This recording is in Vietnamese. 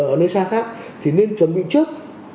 ở nơi xa khác thì nên chuẩn bị trước